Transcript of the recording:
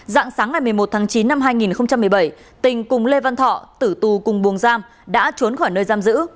dạng sáng ngày một mươi một tháng chín năm hai nghìn một mươi bảy tình cùng lê văn thọ tử tù cùng buồng giam đã trốn khỏi nơi giam giữ